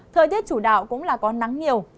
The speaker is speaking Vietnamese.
thời tiết chủ đạo cũng là có nắng nhiều